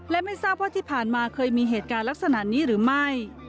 และไม่ทราบว่าที่ผ่านมาเคยมีเหตุการณ์ลักษณะนี้หรือไม่